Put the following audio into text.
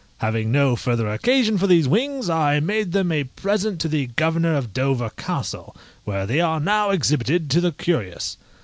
Having no further occasion for these wings, I made them a present to the governor of Dover Castle, where they are now exhibited to the curious.